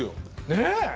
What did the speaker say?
ねえ！